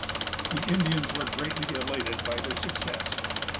The Indians were greatly elated by their success.